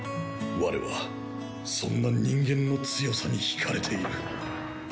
我はそんな人間の強さにひかれている。